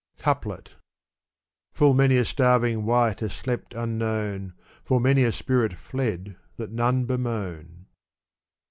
Coupkt. Full many a starving wight has slept ^ unknown ; Full many a spirit fled that none bemoan.